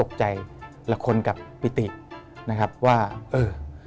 ใจละคนกับปิตินะครับว่าเออ